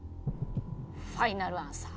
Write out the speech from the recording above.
ファイナルアンサー？